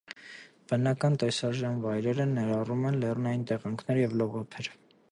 Բնական տեսարժան վայրերը ներառում են լեռնային տեղանքներ և լողափեր։